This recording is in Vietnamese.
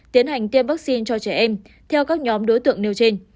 tiến hành tiêm vaccine cho trẻ em theo các nhóm đối tượng nêu trên